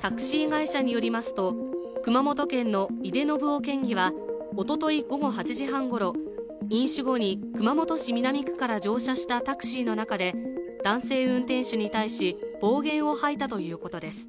タクシー会社によりますと熊本県の井手順雄県議はおととい午後８時半ごろ飲酒後に熊本市南区から乗車したタクシーの中で男性運転手に対し暴言を吐いたということです。